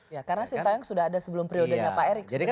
ya karena sintayong sudah ada sebelum periodenya pak erick